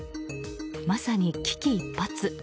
まさに危機一髪。